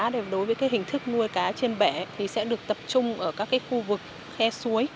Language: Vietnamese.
đối với hình thức nuôi cá trên bẻ thì sẽ được tập trung ở các khu vực khe suối